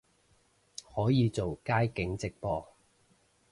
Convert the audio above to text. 可以做街景直播